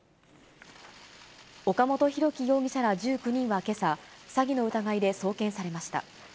岡本大樹容疑者ら１９人はけさ、詐欺の疑いで送検されました。